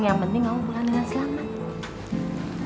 yang penting kamu pulang dengan selamat